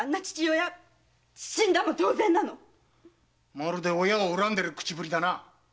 まるで親を恨んでる口ぶりだな。